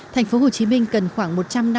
tp hcm cần khoảng